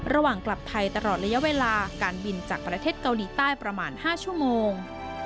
ระหว่างกลับไทยตลอดระยะเวลาการบินจากประเทศเกาหลีใต้ประมาณ๕ชั่วโมง